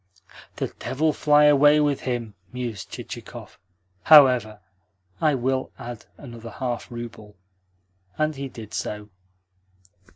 "The devil fly away with him!" mused Chichikov. "However, I will add another half rouble." And he did so.